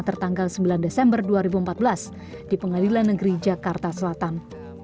tertanggal sembilan desember dua ribu empat belas di pengadilan negeri jakarta selatan